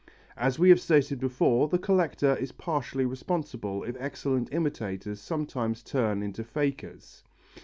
As we have stated before, the collector is partially responsible if excellent imitators sometimes turn into fakers.